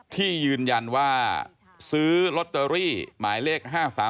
ที่ยืนยันว่าซื้อลอตเตอรี่หมายเลข๕๓